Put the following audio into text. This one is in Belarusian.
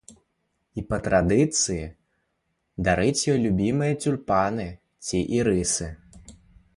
І па традыцыі дарыць ёй любімыя цюльпаны ці ірысы.